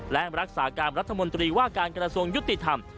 และรักษาการรัฐมนตรีว่าการกระทรวงยุติธรรม